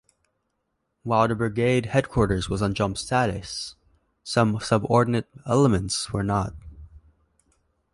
While the brigade headquarters was on jump status, some subordinate elements were not.